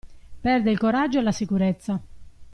Perde il coraggio e la sicurezza.